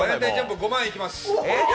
５万いきます。